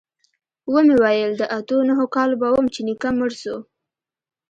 ومې ويل د اتو نهو کالو به وم چې نيکه مړ سو.